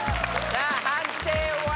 さあ判定は？